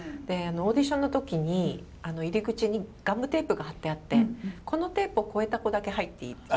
でオーディションの時に入り口にガムテープが貼ってあってこのテープを越えた子だけ入っていい。